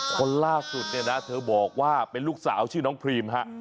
คนล่าสุดเนี่ยนะเธอบอกว่าเป็นลูกสาวชื่อน้องพรีมฮะ